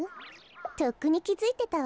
とっくにきづいてたわよ。